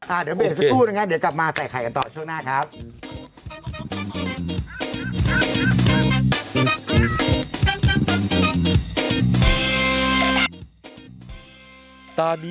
เดี๋ยวเบรกสักครู่นะครับเดี๋ยวกลับมาใส่ไข่กันต่อช่วงหน้าครับ